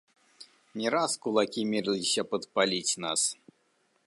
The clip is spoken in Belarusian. Не раз кулакі мерыліся падпаліць нас.